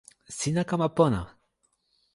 sina kama pona!